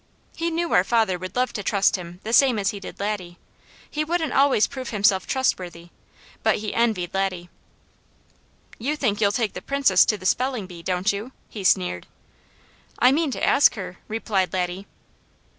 He knew our father would love to trust him the same as he did Laddie. He wouldn't always prove himself trustworthy, but he envied Laddie. "You think you'll take the Princess to the spelling bee, don't you?" he sneered. "I mean to ask her," replied Laddie.